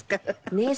ねえ。